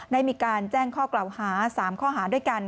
ได้มีการแจ้งข้อกล่าวหา๓ข้อหาด้วยกัน